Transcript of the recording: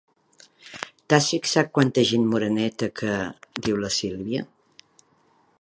T'has fixat quanta gent moreneta que? —diu la Sílvia.